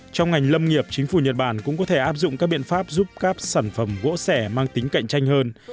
trong ngành lâm nghiệp chính phủ nhật bản cũng có thể áp dụng các biện pháp giúp các sản phẩm gỗ sẻ mang tính cạnh tranh hơn